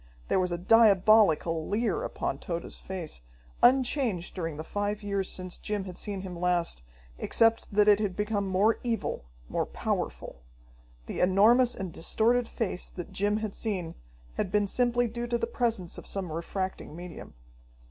There was a diabolical leer upon Tode's face, unchanged during the five years since Jim had seen him last, except that it had become more evil, more powerful. The enormous and distorted face that Jim had seen had been simply due to the presence of some refracting medium.